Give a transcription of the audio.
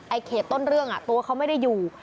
เขตต้นเรื่องตัวเขาไม่ได้อยู่